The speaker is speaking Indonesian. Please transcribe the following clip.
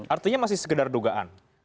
artinya masih sekedar dugaan